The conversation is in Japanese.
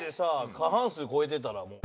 過半数超えてたらもう。